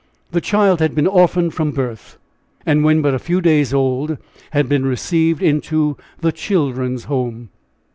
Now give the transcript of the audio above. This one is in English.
The child had been orphaned from her birth, and when but a few days old had been received into the "Children's Home."